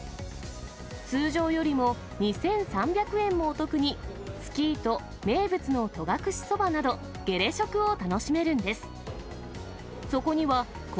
通常よりも２３００円もお得に、スキーと名物の戸隠そばなど、ゲレ食を楽しめるんです。